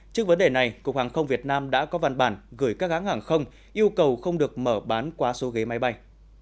trước vấn đề này cục hàng không việt nam đã có văn bản gửi các hãng hàng không yêu cầu không được mở bán quá số ghế máy bay